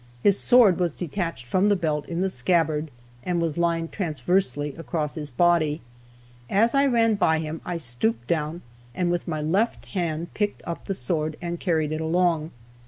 His sword was detached from the belt, in the scabbard, and was lying transversely across his body. As I ran by him I stooped down and with my left hand picked up the sword, and carried it along.